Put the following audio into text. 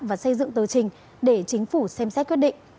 và xây dựng tờ trình để chính phủ xem xét quyết định